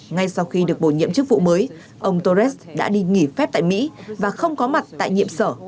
ngay sau khi được bổ nhiệm chức vụ mới ông torres đã đi nghỉ phép tại mỹ và không có mặt tại nhiệm sở